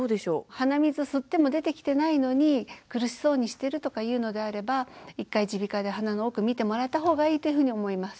鼻水吸っても出てきてないのに苦しそうにしてるとかいうのであれば一回耳鼻科で鼻の奥診てもらった方がいいというふうに思います。